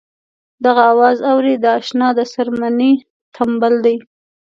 دغه اواز اورې د اشنا د څرمنې تمبل دی.